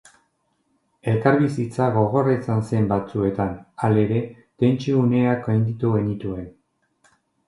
Elkarbizitza gogorra izan zen batzuetan, halere, tentsio uneak gainditu genituen.